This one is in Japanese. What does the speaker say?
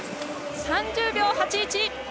３０秒８１。